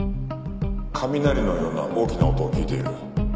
雷のような大きな音を聞いている。